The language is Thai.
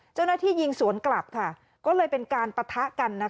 เจ้าหน้าที่ยิงสวนกลับก็เลยเป็นการปะทะกัน